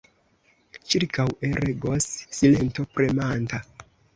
Ĉirkaŭe regos silento premanta.